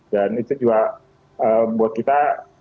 dan itu juga buat kita